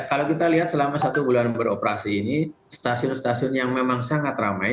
kalau kita lihat selama satu bulan beroperasi ini stasiun stasiun yang memang sangat ramai